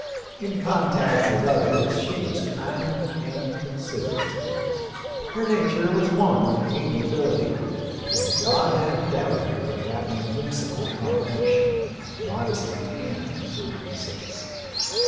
In contact with others she was kind and considerate. Her nature was one of amiability, and God had endowed her with that invincible combination — modesty and good sense.